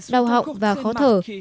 đau họng và khó thở